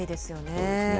そうですね。